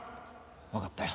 わかったよ。